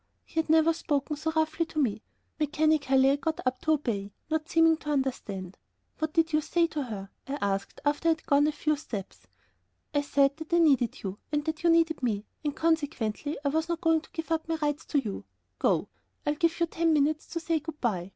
He had never spoken so roughly to me. Mechanically I got up to obey, not seeming to understand. "What did you say to her?" I asked, after I had gone a few steps. "I said that I needed you and that you needed me, and consequently I was not going to give up my rights to you. Go; I give you ten minutes to say good by."